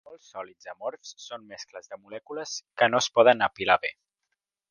Molts sòlids amorfs són mescles de molècules que no es poden apilar bé.